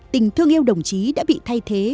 tình thương yêu đồng chí đã bị thay thế